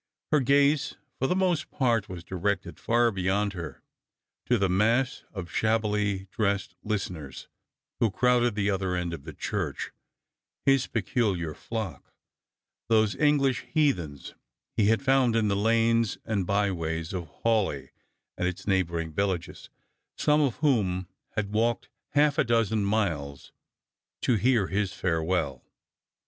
His gaze, for the most part, was directed far beyond her, to the mass of shabbily dressed listeners who crowded the other end of the church, his peculiar flock, those English heathens he had found in the lanes and byways of Hawleigh and its neighbouring villages, some of whom had walked half a dozen miles to hear his farewell.